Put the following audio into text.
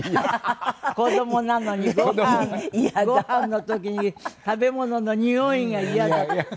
子どもなのにごはんの時に食べ物のにおいがイヤだイヤだって。